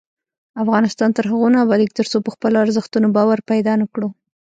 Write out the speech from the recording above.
افغانستان تر هغو نه ابادیږي، ترڅو په خپلو ارزښتونو باور پیدا نکړو.